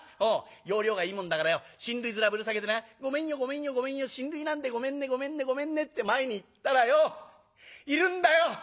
要領がいいもんだからよ親類面ぶら下げてな『ごめんよごめんよごめんよ親類なんでごめんねごめんねごめんね』って前に行ったらよいるんだよ。